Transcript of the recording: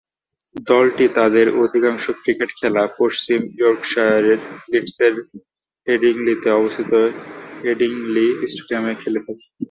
দলটি তাদের অধিকাংশ ক্রিকেট খেলা পশ্চিম ইয়র্কশায়ারের লিডসের হেডিংলিতে অবস্থিত হেডিংলি স্টেডিয়ামে খেলে থাকে।